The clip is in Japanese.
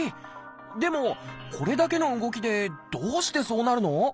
でもこれだけの動きでどうしてそうなるの？